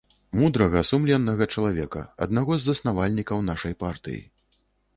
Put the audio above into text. Мудрага, сумленнага чалавека, аднаго з заснавальнікаў нашай партыі.